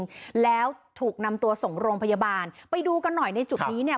แล้วถูกนำตัวส่งโรงพยาบาลไปดูกันหน่อยในจุดนี้เนี่ย